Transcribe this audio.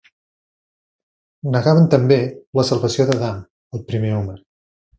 Negaven també la salvació d'Adam, el primer home.